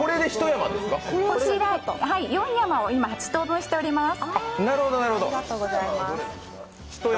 ４山を今、８等分しています。